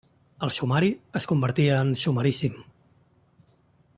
El sumari es convertia en sumaríssim.